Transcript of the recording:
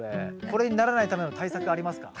これにならないための対策ありますか？